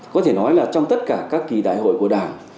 có thể nói là trong tất cả các kỳ đại hội của đảng